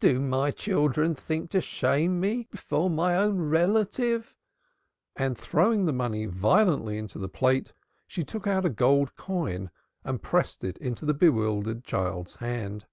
Do my children think to shame me before my own relative?" And throwing the money violently into the plate she took out a gold coin and pressed it into the bewildered child's hand.